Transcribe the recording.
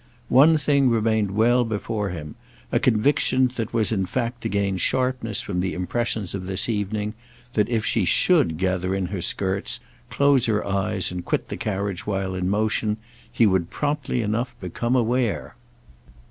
One thing remained well before him—a conviction that was in fact to gain sharpness from the impressions of this evening: that if she should gather in her skirts, close her eyes and quit the carriage while in motion, he would promptly enough become aware.